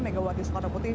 megawati soekarno putih